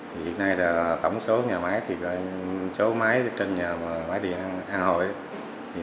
thì hiện nay là tổng số nhà máy thì số máy trên nhà máy điện an hội